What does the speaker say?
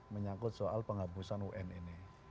menyangkut soal penghapusan un ini